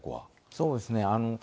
そうですね。